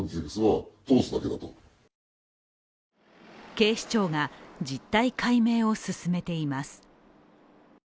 警視庁が実態解明を進めています。